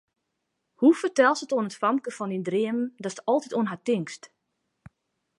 Hoe fertelst it oan it famke fan dyn dreamen, datst altyd oan har tinkst?